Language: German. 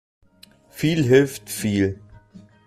Viel hilft viel.